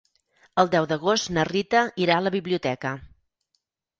El deu d'agost na Rita irà a la biblioteca.